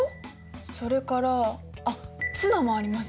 それからあっツナもあります。